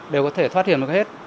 đều có thể thoát hiểm được hết